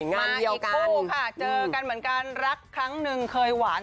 มาอีกคู่ค่ะเจอกันเหมือนกันรักครั้งหนึ่งเคยหวาน